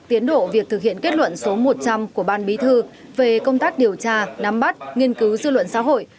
tiến độ việc thực hiện kết luận số một trăm linh của ban bí thư về công tác điều tra nắm bắt nghiên cứu dư luận xã hội